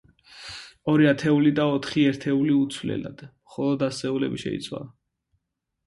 ორი ათეული და ოთხი ერთეული უცვლელად, მხოლოდ ასეულები შეიცვალა.